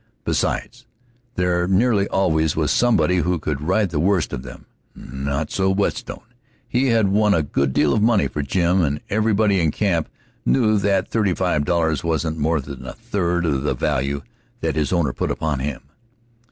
Besides, there nearly always was somebody who could ride the worst of them. Not so Whetstone. He had won a good deal of money for Jim, and everybody in camp knew that thirty five dollars wasn't more than a third of the value that his owner put upon him.